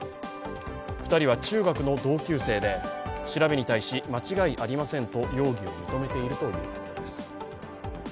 ２人は中学の同級生で調べに対し、間違いありませんと容疑を認めているということです。